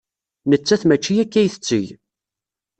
Nettat maci akka ay tetteg.